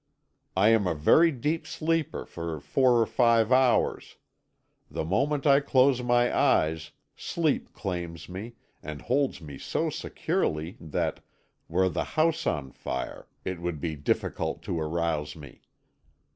I am a very deep sleeper for four or five hours. The moment I close my eyes sleep claims me, and holds me so securely that, were the house on fire, it would be difficult to arouse me.